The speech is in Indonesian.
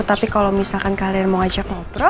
tapi kalau misalkan kalian mau ajak ngobrol